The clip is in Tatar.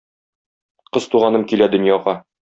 Кыз туганым килә дөньяга.